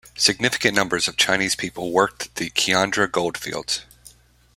Significant numbers of Chinese people worked the Kiandra goldfields.